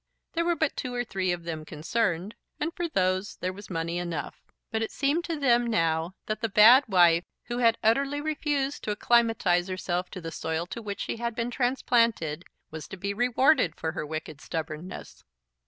There were but two or three of them concerned, and for those there was money enough; but it seemed to them now that the bad wife, who had utterly refused to acclimatise herself to the soil to which she had been transplanted, was to be rewarded for her wicked stubbornness.